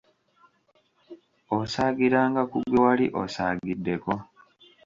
Osaagiranga ku gwe wali osaagiddeko.